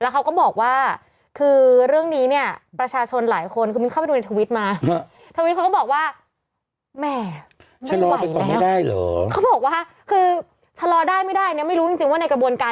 เขาบอกว่าคือชะลอได้ไม่ได้เนี่ยไม่รู้จริงว่าในกระบวนการ